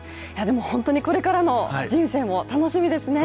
本当にこれからの人生も楽しみですね。